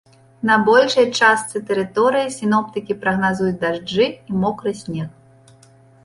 На большай частцы тэрыторыі сіноптыкі прагназуюць дажджы і мокры снег.